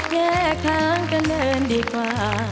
แยกทางก็เนินดีกว่า